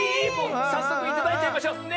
さっそくいただいちゃいましょ。ね！